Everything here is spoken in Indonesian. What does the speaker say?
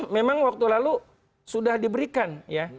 memang waktu lalu sudah diberikan ya